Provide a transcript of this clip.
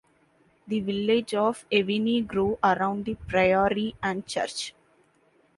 The village of Ewenny grew around the Priory and church.